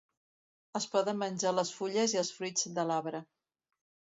Es poden menjar les fulles i els fruits de l'arbre.